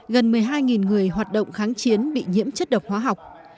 gần một mươi hai người hoạt động kháng chiến bị nhiễm chất độc hóa học